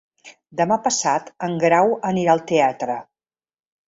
Demà passat en Grau anirà al teatre.